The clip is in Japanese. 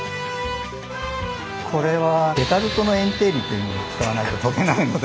これは「デカルトの円定理」というのを使わないと解けないので。